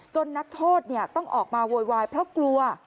นักโทษต้องออกมาโวยวายเพราะกลัว